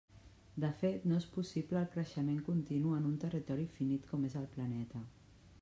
De fet, no és possible el creixement continu en un territori finit com és el planeta.